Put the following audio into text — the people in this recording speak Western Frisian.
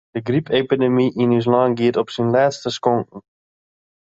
De grypepidemy yn ús lân giet op syn lêste skonken.